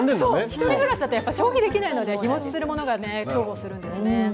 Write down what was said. ひとり暮らしだと消費できないので、日持ちするものを選んでしまうんですね。